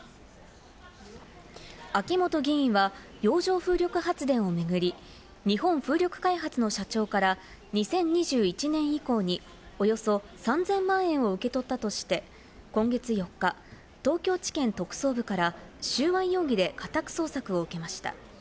秋本議員は洋上風力発電を巡り、日本風力開発の社長から２０２１年以降におよそ３０００万円を受け取ったとして、今月４日、東京地検特捜部から収賄容疑で家宅捜索を受けました。